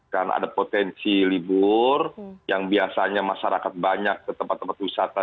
karena ada potensi libur yang biasanya masyarakat banyak ke tempat tempat wisata